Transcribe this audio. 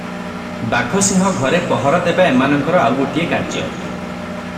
ବାଘସିଂହ ଘରେ ପହରାଦେବା ଏମାନଙ୍କର ଆଉଗୋଟିଏ କାର୍ଯ୍ୟ ।